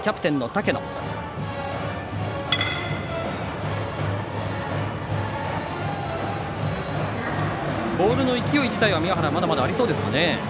宮原のボールの勢い自体はまだまだありそうですかね。